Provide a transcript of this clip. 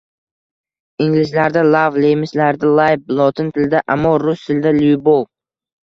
Inglizlarda-“Lav”, nemislarda-“Libe”, lotin tilida “Amor”, rus tilida “Lyubov”.